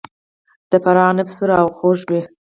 د فراه عناب سور او خوږ وي.